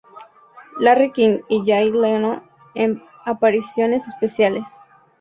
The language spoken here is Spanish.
Larry King y Jay Leno en apariciones especiales.